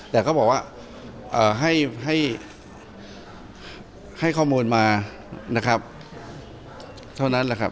แต่เขาบอกว่าให้ข้อมูลมานะครับเท่านั้นแหละครับ